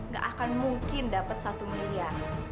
gak akan mungkin dapat satu miliar